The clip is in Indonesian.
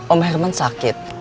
om herman sakit